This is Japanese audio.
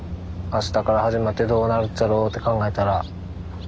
あしたから始まってどうなるっちゃろうって考えたら。